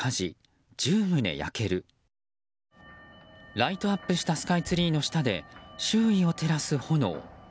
ライトアップしたスカイツリーの下で周囲を照らす炎。